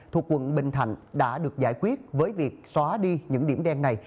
thuộc quận bình thạnh đã được giải quyết với việc xóa đi những điểm đen này